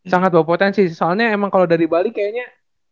sangat berpotensi soalnya emang kalau dari bali kayaknya